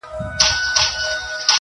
• خدای به د وطن له مخه ژر ورک کړي دا شر.